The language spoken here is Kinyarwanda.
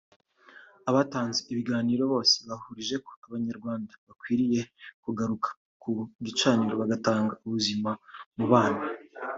Abatanze ibiganiro bose bahurije ko abanyarwanda bakwiriye kugaruka ku gicaniro bagatanga ubuzima mu bana